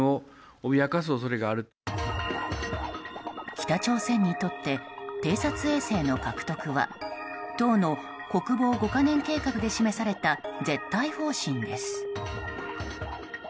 北朝鮮にとって偵察衛星の獲得は党の国防５か年計画で示された絶対方針です。